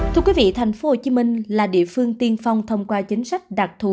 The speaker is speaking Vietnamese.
thưa quý vị thành phố hồ chí minh là địa phương tiên phong thông qua chính sách đặc thù